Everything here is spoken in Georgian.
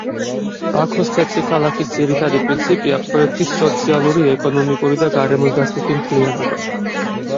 ბაქოს თეთრი ქალაქის ძირითადი პრინციპია პროექტის სოციალური, ეკონომიკური და გარემოსდაცვითი მთლიანობა.